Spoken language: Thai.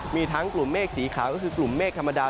มีทั้งกลุ่มเมฆสีขาวก็คือกลุ่มเมฆธรรมดา